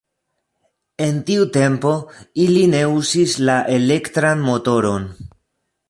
En tiu tempo, ili ne uzis la elektran motoron.